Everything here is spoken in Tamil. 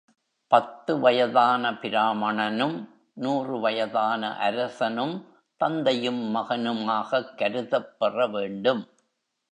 பத்து வயதான பிராமணனும் நூறு வயதான அரசனும் தந்தையும் மகனுமாகக் கருதப் பெற வேண்டும்.